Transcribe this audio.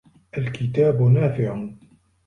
الْكِتَابُ نَافِعٌ.